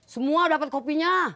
semua dapat kopinya